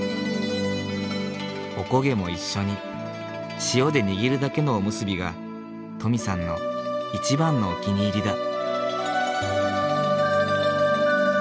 おこげも一緒に塩で握るだけのおむすびが登美さんの一番のお気に入りだ。